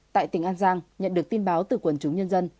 tại tỉnh an giang nhận được tin báo từ quần chúng nhân dân